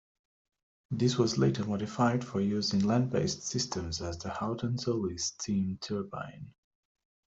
This was later modified for use in land-based systems as the Howden-Zoelly steam turbine.